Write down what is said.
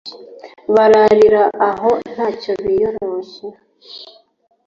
bararira aho nta cyo biyoroshe